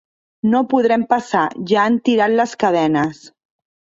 No podrem passar: ja han tirat les cadenes.